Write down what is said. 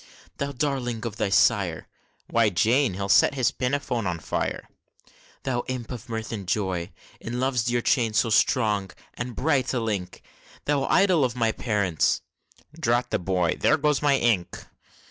Thou darling of thy sire! (Why, Jane, he'll set his pinafore a fire!) Thou imp of mirth and joy! In Love's dear chain so strong and bright a link, Thou idol of thy parents (Drat the boy! There goes my ink!)